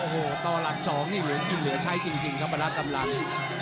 โอ้โหต่อหลัก๒นี่เหลือกินเหลือใช้จริงครับพละกำลัง